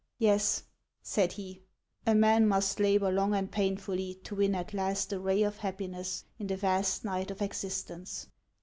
" Yes," said he, " a man must labor long and painfully to win at last a ray of happiness in the vast night of existence.